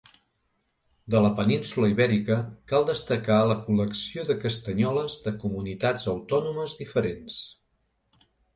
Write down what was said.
De la península Ibèrica cal destacar la col·lecció de castanyoles de comunitats autònomes diferents.